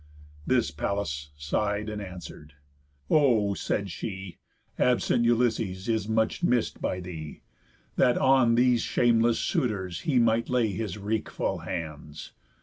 This Pallas sigh'd and answer'd: "O," said she, "Absent Ulysses is much miss'd by thee, That on these shameless suitors he might lay His wreakful hands.